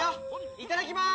いただきまーす。